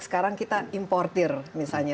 sekarang kita importer misalnya